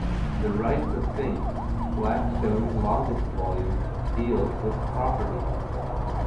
The Rights of Things, Blackstone's longest volume, deals with property.